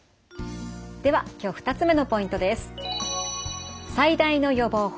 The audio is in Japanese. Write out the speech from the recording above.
では今日２つ目のポイントです。